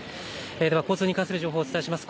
交通に関する情報をお伝えします。